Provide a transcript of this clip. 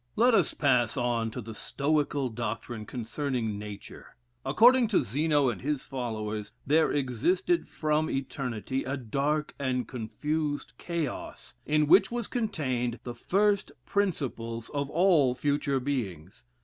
Let us pass on to the Stoical doctrine concerning nature. According to Zeno and his followers, there existed from eternity a dark and confused chaos, in which was contained the first principles of all future beings.